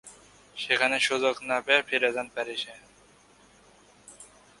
সেখানে সুযোগ না পেয়ে ফিরে যান প্যারিসে।